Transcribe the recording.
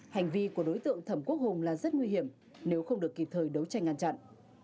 hành vi của đối tượng thẩm quốc hùng là rất nguy hiểm nếu không được kịp thời đấu tranh ngăn chặn